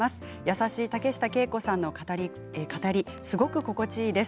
優しい竹下さんの語りがすごく心地いいです。